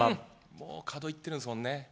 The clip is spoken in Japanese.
もう角いってるんすもんね